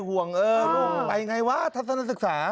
ไปอย่างไรวะทัศนะศึกษา